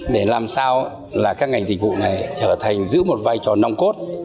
để làm sao là các ngành dịch vụ này trở thành giữ một vai trò nong cốt